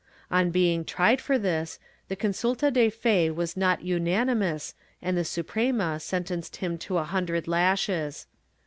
On being tried for this, the consulta de fe was not unanimous and the Suprema sentenced him to a hundred lashes.